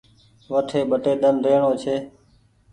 وٺي ٻٽي ۮن رهڻو ڇي